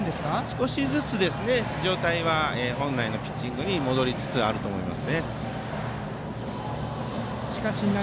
少しずつですが状態は本来のピッチングに戻りつつあると思います。